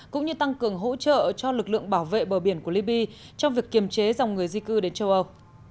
cũng như tăng cường hỗ trợ cho lực lượng bảo vệ bờ biển của liby trong việc kiềm chế dòng người di cư đến châu âu